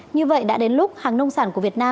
như vậy đã đến lúc hàng nông sản của việt nam